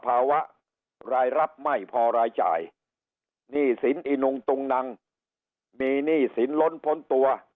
รายรับไม่พอรายจ่ายหนี้สินอีนุงตุงนังมีหนี้สินล้นพ้นตัว